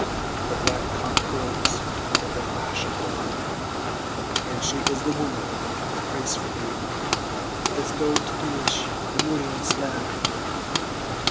(The black cock crows with the flash of dawn.) And she is the woman who prays for you: "Is go d tigheadh do, mhûirnín slan!"